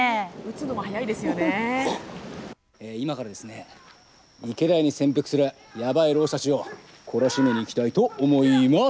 今から池田屋に潜伏するやばい浪士たちを懲らしめにいきたいと思います。